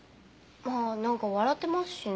まあなんか笑ってますしね。